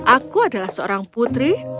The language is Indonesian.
aku adalah seorang putri